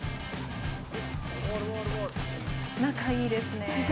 仲いいですね。